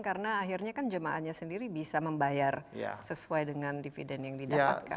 karena akhirnya kan jamaahnya sendiri bisa membayar sesuai dengan dividen yang didapatkan